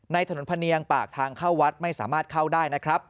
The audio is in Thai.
ถนนพะเนียงปากทางเข้าวัดไม่สามารถเข้าได้นะครับ